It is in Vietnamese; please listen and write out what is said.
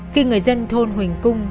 khi người dân thôn huỳnh cung